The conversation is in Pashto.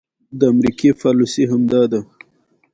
ازادي راډیو د سوله د تحول لړۍ تعقیب کړې.